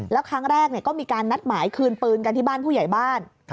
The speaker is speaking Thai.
แล้วครั้งแรกก็มีการนัดหมายคืนปืนกันที่บ้านผู้ใหญ่บ้าน